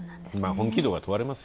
本気度が問われます。